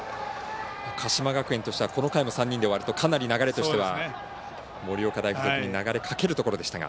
鹿島学園としてはこの回も３人で終わるとかなり流れとしては盛岡大付属に流れかけるところでしたが。